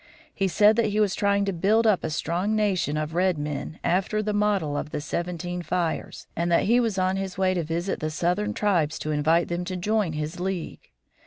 He said that he was trying to build up a strong nation of red men, after the model of the Seventeen Fires, and that he was on his way to visit the southern tribes to invite them to join his league.